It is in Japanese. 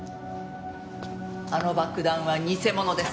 あの爆弾は偽物です。